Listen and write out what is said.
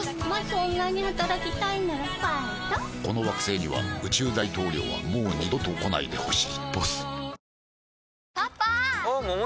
この惑星には宇宙大統領はもう二度と来ないでほしい「ＢＯＳＳ